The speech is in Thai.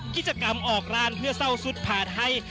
กิจกรรมออกร้านเพื่อเศร้าักผ่าไทย